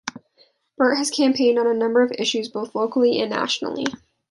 Burt has campaigned on a number of issues both locally and nationally.